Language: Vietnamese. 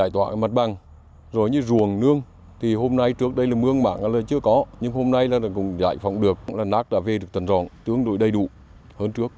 thì hôm nay trước đây là mương mạng là chưa có nhưng hôm nay là cũng giải phóng được là nát đã về được tần rộng tương đối đầy đủ hơn trước